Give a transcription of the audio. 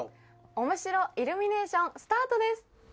おもしろイルミネーションスタートです。